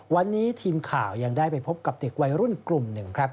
วันนี้ทีมข่าวยังได้ไปพบกับเด็กวัยรุ่นกลุ่มหนึ่งครับ